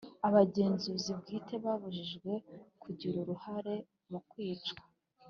Abagenzuzi bwite babujijwe kugira uruhare mukwica